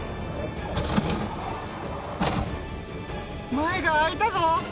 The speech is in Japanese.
前が開いたぞ！